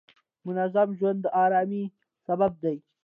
منظم ژوند د آرامۍ سبب دی.